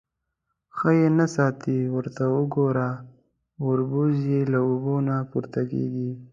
_ښه يې نه ساتې. ورته وګوره، وربوز يې له اوبو نه پورته کېږي.